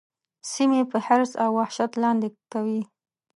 سیمې په حرص او وحشت لاندي کوي.